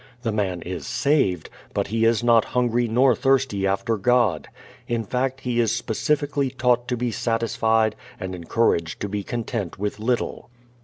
The man is "saved," but he is not hungry nor thirsty after God. In fact he is specifically taught to be satisfied and encouraged to be content with little.